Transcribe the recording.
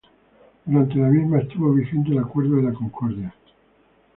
Durante la misma estuvo vigente el Acuerdo de la Concordia.